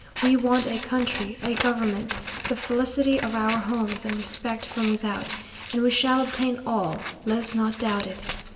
We want a country, a government, the felicity of our homes, and respect from without; and we shall obtain all; let us not doubt it.